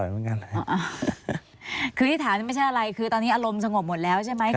คือที่ถามไม่ใช่อะไรคือตอนนี้อารมณ์สงบหมดแล้วใช่ไหม